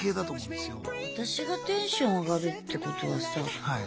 私がテンション上がるってことはさ。